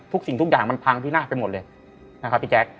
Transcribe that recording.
ทุกสิ่งทุกอย่างมันพังที่หน้าไปหมดเลยนะครับพี่แจ๊ก